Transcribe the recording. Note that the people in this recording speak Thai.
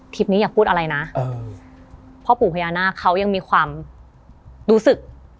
ทริปนี้อย่าพูดอะไรนะเค้ายังมิความดูสึก